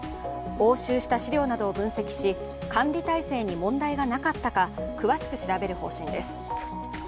押収した資料などを分析し、管理体制に問題がなかったか詳しく調べる方針です。